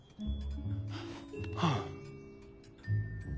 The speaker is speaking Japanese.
はあ。